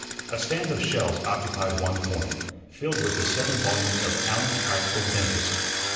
A stand of shelves occupied one corner, filled with the seven volumes of "Allen's Practical Dentist."